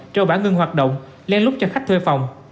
treo bã ngưng hoạt động len lúc cho khách thuê phòng